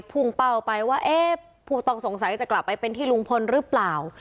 ภูมิเป้าไปว่าต้องสงสัยจะกลับไปเป็นที่ลุงพลหรือเปล่า